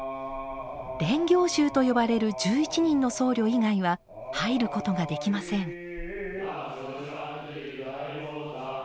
「練行衆」と呼ばれる１１人の僧侶以外は入ることができません。